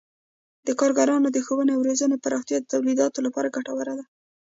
د کارګرانو د ښوونې او روزنې پراختیا د تولیداتو لپاره ګټوره ده.